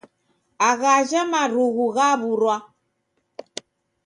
Aghaje marughu ghawurwa